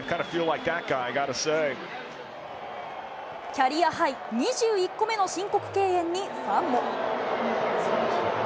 キャリアハイ、２１個目の申告敬遠にファンも。